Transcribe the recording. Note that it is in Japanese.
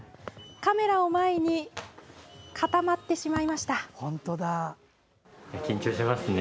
カメラを前に固まってしまいました。